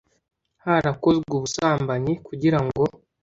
harakozwe ubusambanyi? kugira ngo